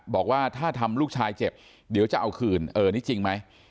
บอกว่าถ้าทำลูกชายเจ็บเดี๋ยวจะเอาคืนเออนี่จริงไหม